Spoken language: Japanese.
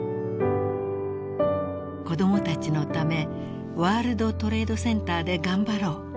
［子供たちのためワールドトレードセンターで頑張ろう］